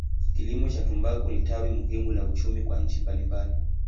Kilimo cha tumbaku ni tawi muhimu la uchumi kwa nchi mbalimbali.